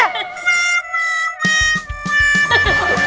eh mbak pak ade